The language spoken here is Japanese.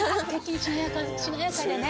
しなやかでね！